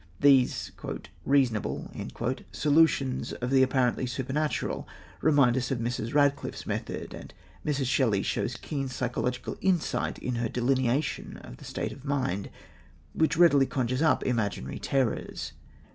These "reasonable" solutions of the apparently supernatural remind us of Mrs. Radcliffe's method, and Mrs. Shelley shows keen psychological insight in her delineation of the state of mind which readily conjures up imaginary terrors.